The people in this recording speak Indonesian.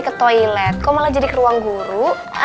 ke toilet kok malah jadi ke ruang guru